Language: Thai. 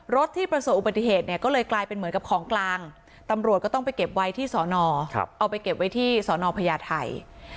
ที่ประสบอุบัติเหตุเนี่ยก็เลยกลายเป็นเหมือนกับของกลางตำรวจก็ต้องไปเก็บไว้ที่สอนอเอาไปเก็บไว้ที่สอนอพญาไทย